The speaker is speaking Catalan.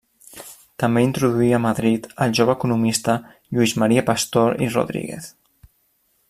També introduí a Madrid al jove economista Lluís Maria Pastor i Rodríguez.